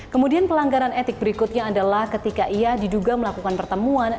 kemudian pelanggaran etik berikutnya adalah ketika ia diduga melakukan pertemuan